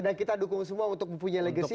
dan kita dukung semua untuk punya legacy